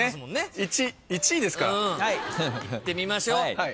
いってみましょう。